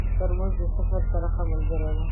ترموز د سفر ښه ملګری دی.